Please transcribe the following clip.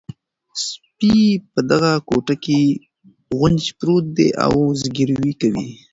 سپي په دغه کوټه کې غونج پروت دی او زګیروی کوي.